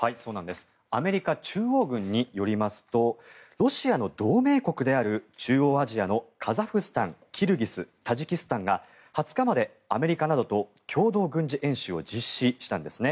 アメリカ中央軍によりますとロシアの同盟国である中央アジアのカザフスタン、キルギスタジキスタンが２０日までアメリカなどと共同軍事演習を実施したんです。